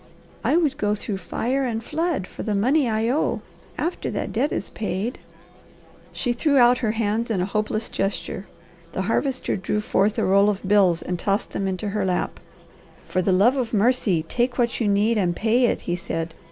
"I would go through fire and flood for the money I owe. After that debt is paid " She threw out her hands in a hopeless gesture. The Harvester drew forth a roll of bills and tossed them into her lap. "For the love of mercy take what you need and pay it," he said.